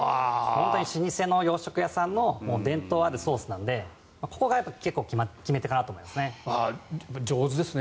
老舗の洋食屋さんの伝統あるソースなのでここが結構決め手かなと思いますね。